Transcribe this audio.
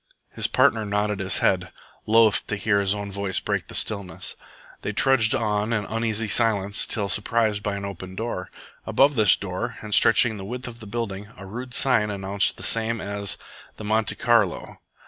His partner nodded his head, loth to hear his own voice break the stillness. They trudged on in uneasy silence till surprised by an open door. Above this door, and stretching the width of the building, a rude sign announced the same as the "Monte Carlo."